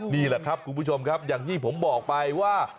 นี่แหละครับคุณผู้ชมครับอย่างที่ผมบอกไปว่า